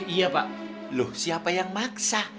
iya pak loh siapa yang maksa